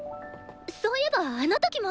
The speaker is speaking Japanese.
そういえばあの時も。